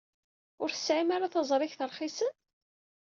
Ur tesɛim ara taẓrigt rxisen?